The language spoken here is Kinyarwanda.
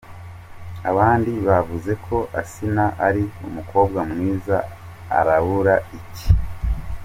Abandi bavuze ko ‘Asinah ari umukobwa mwiza arabura iki ?.